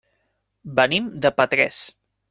Venim de Petrés.